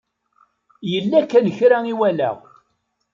Yella kan kra i walaɣ.